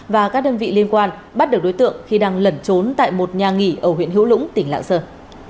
và các đơn vị liên quan bắt được đối tượng khi đang lẩn trốn tại một nhà nghỉ ở huyện hữu lũng tỉnh lạng sơn